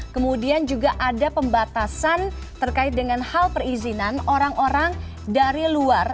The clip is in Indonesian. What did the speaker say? kemudian juga ada pembatasan terkait dengan hal perizinan orang orang dari luar